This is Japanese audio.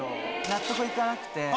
納得行かなくて。